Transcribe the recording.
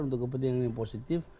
untuk kepentingan yang positif